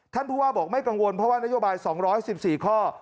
ท่านผู้ว่าบอกไม่กังวลเพราะว่านโยบาย๒๑๔ข้อ